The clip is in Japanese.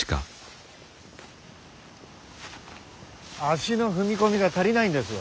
足の踏み込みが足りないんです。